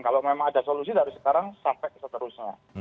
kalau memang ada solusi dari sekarang sampai ke seterusnya